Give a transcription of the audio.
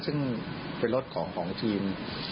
ที่มีรถของทีม